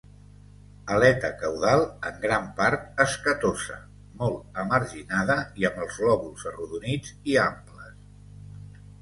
Aleta caudal en gran part escatosa, molt emarginada i amb els lòbuls arrodonits i amples.